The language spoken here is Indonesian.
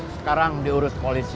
sekarang diurut polisi